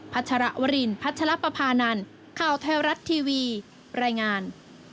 ชรวรินพัชรปภานันข่าวไทยรัฐทีวีรายงาน